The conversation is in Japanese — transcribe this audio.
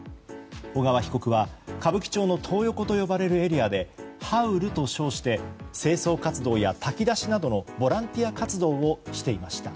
小川被告は歌舞伎町のトー横と呼ばれるエリアでハウルと称して清掃活動や炊き出しなどのボランティア活動をしていました。